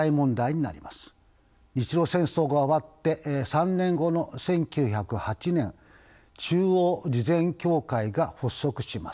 日露戦争が終わって３年後の１９０８年中央慈善協会が発足します。